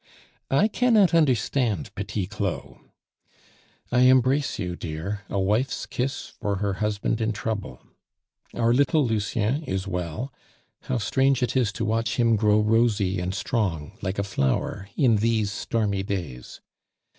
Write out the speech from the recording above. I cannot understand Petit Claud. I embrace you, dear, a wife's kiss for her husband in trouble. Our little Lucien is well. How strange it is to watch him grow rosy and strong, like a flower, in these stormy days!